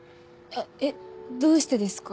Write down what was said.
えっどうしてですか？